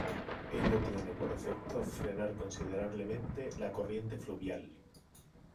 Ello tiene por efecto frenar considerablemente la corriente fluvial.